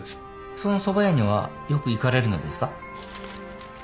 そのそば屋にはよく行かれるのですか？